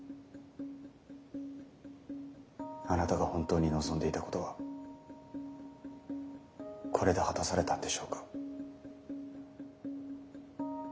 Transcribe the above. あなたが本当に望んでいたことはこれで果たされたんでしょうか？